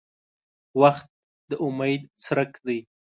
• وخت د امید څرک دی.